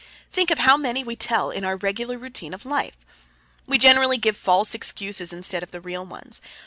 Think of how many we tell in our regular routine of life! We generally give false excuses instead of the real ones.